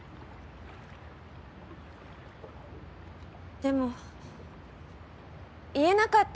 でも言えなかった。